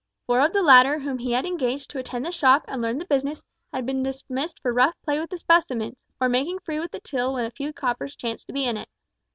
Four of the latter whom he had engaged to attend the shop and learn the business had been dismissed for rough play with the specimens, or making free with the till when a few coppers chanced to be in it.